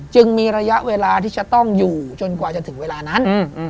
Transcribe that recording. จึงมีระยะเวลาที่จะต้องอยู่จนกว่าจะถึงเวลานั้น